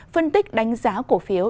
phân tích đánh giá cổ phiếu